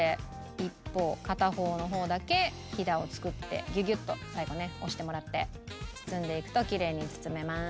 一方片方の方だけひだを作ってギュギュッと最後ね押してもらって包んでいくときれいに包めます。